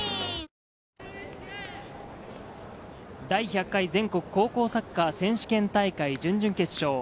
第１００回全国高校サッカー選手権大会、準々決勝。